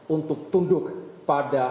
untuk tunduk pada